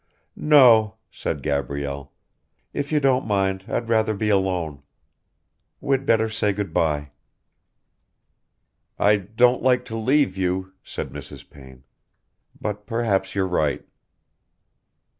"No," said Gabrielle, "if you don't mind, I'd rather be alone. We'd better say good bye." "I don't like to leave you," said Mrs. Payne, "but perhaps you're right."